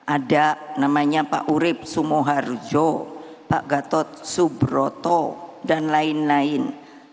ada namanya pak urib sumoharjo pak gatot subroto dan lain lain